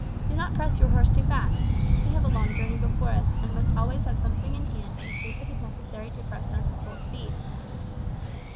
Do not press your horse too fast. We have a long journey before us, and must always have something in hand in case it is necessary to press them to full speed."